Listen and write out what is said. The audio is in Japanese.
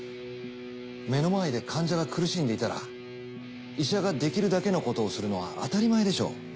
目の前で患者が苦しんでいたら医者ができるだけのことをするのは当たり前でしょう。